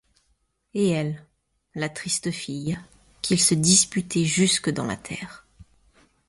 Et elle, la triste fille, qu'ils se disputaient jusque dans la terre!